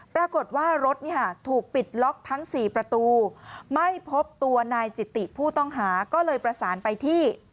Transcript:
ปรากฏว่ารถถูกปิดล็อกทั้ง๔ประตูไม่พบตัวนายจิติผู้ต้องหาก็เลยประสานไปที่